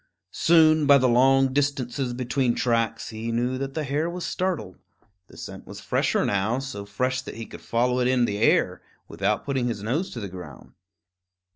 Soon, by the long distances between tracks, he knew that the hare was startled. The scent was fresher now, so fresh that he could follow it in the air, without putting his nose to the ground.